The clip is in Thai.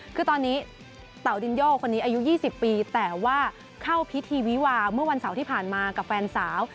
คือตอนนี้เต่าดินโยคนนี้อายุ๒๐ปีแต่ว่าเข้าพิธีวิวาเมื่อวันเสาร์ที่ผ่านมากับแฟนสาว